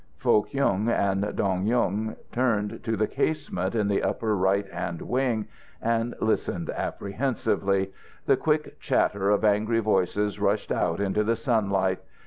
Foh Kyung and Dong Yung turned to the casement in the upper right hand wing and listened apprehensively. The quick chatter of angry voices rushed out into the sunlight.